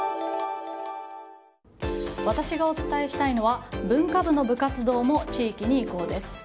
私がお伝えしたいのは文化部の部活動も地域に移行です。